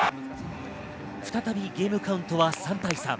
再びゲームカウントは３対３。